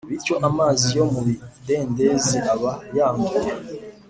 bityo amazi yo mubidendeze aba yanduye